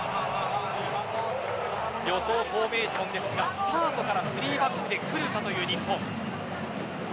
予想フォーメーションはスタートから３バックでくるかという日本。